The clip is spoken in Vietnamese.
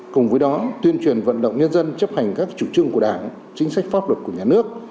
cùng với đó tuyên truyền vận động nhân dân chấp hành các chủ trương của đảng chính sách pháp luật của nhà nước